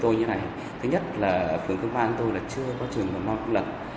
thứ nhất là phường khương mai của tôi chưa có trường hồn non cũng lập